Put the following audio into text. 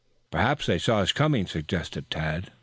"Perhaps they saw us coming," suggested Tad.